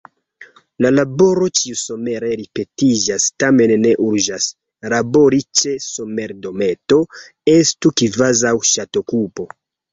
La laboro ĉiusomere ripetiĝas, tamen ne urĝas: labori ĉe somerdometo estu kvazaŭ ŝatokupo.